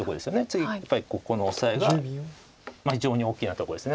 次やっぱりここのオサエが非常に大きなとこです。